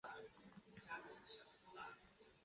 为海兰河与图们江的分水岭。